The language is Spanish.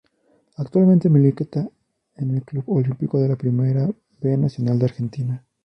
Actualmente milita en el Club Olimpo de la Primera B Nacional de Argentina.